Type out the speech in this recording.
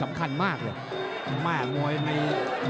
มายันมวยไหน